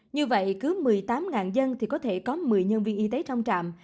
như vậy cứ một mươi tám dân thì có thể có một mươi nhân viên y tế trong trạm